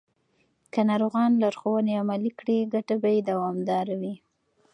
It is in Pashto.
که ناروغان لارښوونې عملي کړي، ګټه به یې دوامداره وي.